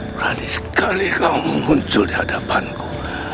berani sekali kau muncul di hadapanku